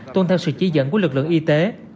tuân theo sự chỉ dẫn của lực lượng y tế